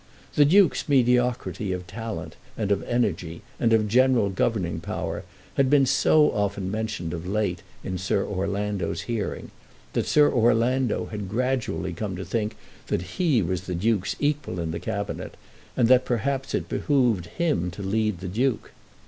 The Duke's mediocrity of talent and of energy and of general governing power had been so often mentioned of late in Sir Orlando's hearing, that Sir Orlando had gradually come to think that he was the Duke's equal in the Cabinet, and that perhaps it behoved him to lead the Duke.